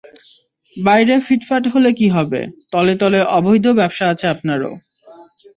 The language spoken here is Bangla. বাইরে ফিটফাট হলে কী হবে, তলে তলে অবৈধ ব্যবসা আছে আপনারও।